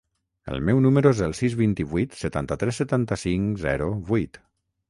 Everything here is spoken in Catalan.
El meu número es el sis, vint-i-vuit, setanta-tres, setanta-cinc, zero, vuit.